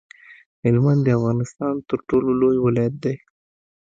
هلمند د افغانستان تر ټولو لوی ولایت دی